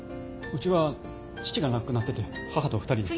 うちは父が亡くなってて母と２人です。